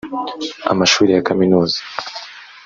amashuri ya kaminuza